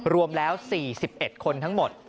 รวมแล้ว๔๑คนทั้งหมด